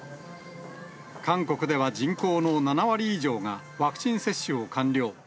韓国では人口の７割以上がワクチン接種を完了。